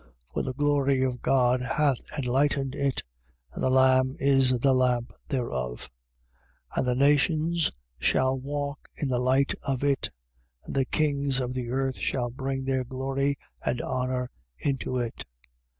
For the glory of God hath enlightened it: and the Lamb is the lamp thereof. 21:24. And the nations shall walk in the light of it: and the kings of the earth shall bring their glory and honour into it.